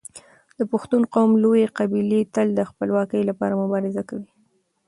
د پښتون قوم لويې قبيلې تل د خپلواکۍ لپاره مبارزه کوي.